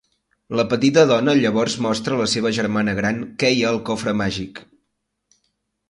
La petita dona llavors mostra a la seva germana gran què hi ha al cofre màgic.